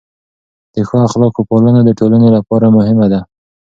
د ښو اخلاقو پالنه د ټولنې لپاره مهمه ده.